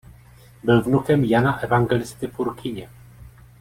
Byl vnukem Jana Evangelisty Purkyně.